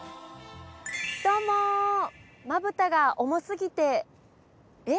どうもまぶたが重すぎてえっ